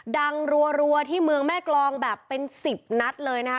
ดังรัวรัวที่เมืองแม่กรองแบบเป็นสิบนัดเลยนะฮะ